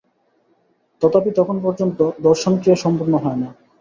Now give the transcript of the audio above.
তথাপি তখন পর্যন্ত, দর্শনক্রিয়া সম্পূর্ণ হয় না।